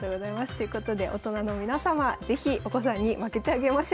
ということで大人の皆様是非お子さんに負けてあげましょう。